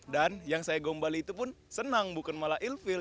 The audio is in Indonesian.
dan yang saya gombalin itu pun senang bukan malah ilfil